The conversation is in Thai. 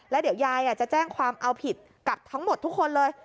แล้วเดี๋ยวยายจะแจ้งความเอาผิดกับทั้งหมดทุกคนเลย